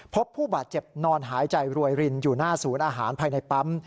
พบผู้บาดเจ็บนอนหายใจรวยรินอยู่หน้าศูนย์อาหารภายในปั๊ม